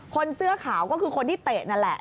เสื้อขาวก็คือคนที่เตะนั่นแหละ